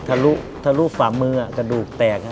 ทะลุฝ่ามือกระดูกแตก